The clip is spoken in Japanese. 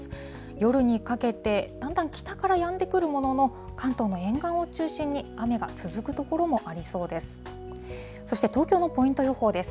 夜にかけて、だんだん北からやんでくるものの、関東の沿岸を中心に、雨が続く所もありそうです。